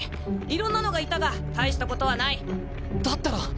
いろんなのがいたが大したことはない。だったら。